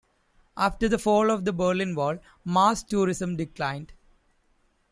After the fall of the Berlin Wall, mass tourism declined.